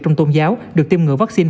trong tôn giáo được tiêm ngừa vaccine